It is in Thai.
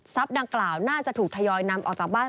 ดังกล่าวน่าจะถูกทยอยนำออกจากบ้าน